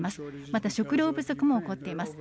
また、食料不足も起こっています。